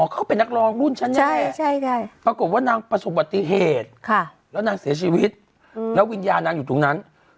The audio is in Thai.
เขาเป็นนักร้องรุ่นฉันแน่ปรากฏว่านางประสบปฏิเหตุแล้วนางเสียชีวิตแล้ววิญญาณนางอยู่ตรงนั้น